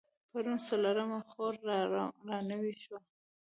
پرون څلرمه خور رانوې شوه.